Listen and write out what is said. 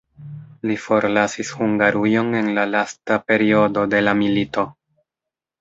Li forlasis Hungarujon en la lasta periodo de la milito.